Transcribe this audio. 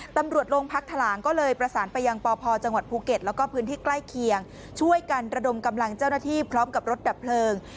ตำรวจโรงพักถลางก็เลยประสานไปยังปพจังหวัดภูเก็ตแล้วก็พื้นที่ใกล้เคียงช่วยกันระดมกำลังเจ้าหน้าที่พร้อมกับรถดับเพลิง